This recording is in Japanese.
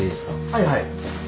はいはい。